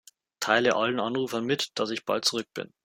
Teile allen Anrufern mit, dass ich bald zurück bin.